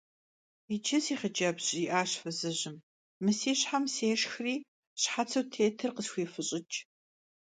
Yicı, si xhıcebz, – jji'aş fızıjım, – mı si şhem sêşşxri şhetsu yitır khısxuifış'ıç'.